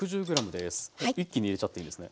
一気に入れちゃっていいんですね。